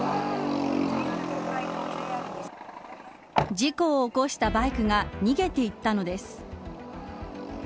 事故を起こしたバイクが逃げていったのです。